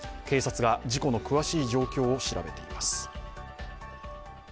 警察が事故の詳しい状況を調べています。